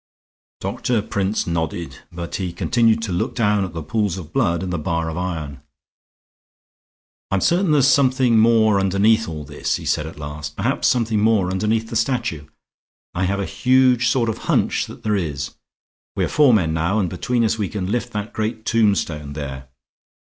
Doctor Prince nodded, but he continued to look down at the pools of blood and the bar of iron. "I'm certain there's something more underneath all this," he said at last. "Perhaps something more underneath the statue. I have a huge sort of hunch that there is. We are four men now and between us we can lift that great tombstone there."